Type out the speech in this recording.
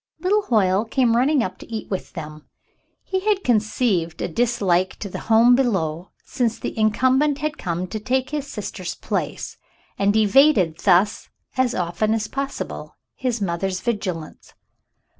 Little Hoyle came running up to eat with them. He had conceived a disUke to the home below since the incum bent had come to take his sister's place, and evaded thus, as often as possible, his mother's vigilance.